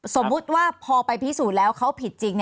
สมมุติว่าพอไปพิสูจน์แล้วเขาผิดจริง